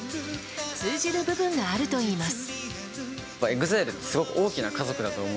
通じる部分があるといいます。